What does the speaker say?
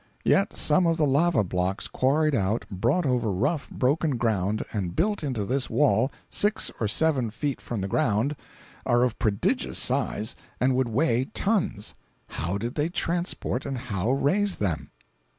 Yet some of the lava blocks quarried out, brought over rough, broken ground, and built into this wall, six or seven feet from the ground, are of prodigious size and would weigh tons. How did they transport and how raise them?